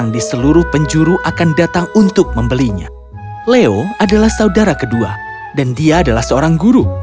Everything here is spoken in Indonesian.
dan dia adalah seorang guru